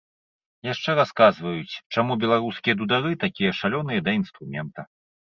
Яшчэ расказваюць, чаму беларускія дудары такія шалёныя да інструмента.